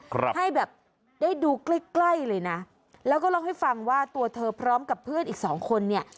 ครับให้แบบได้ดูใกล้ใกล้เลยนะแล้วก็เล่าให้ฟังว่าตัวเธอพร้อมกับเพื่อนอีกสองคนเนี่ย